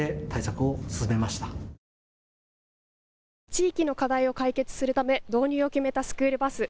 地域の課題を解決するため導入を決めたスクールバス。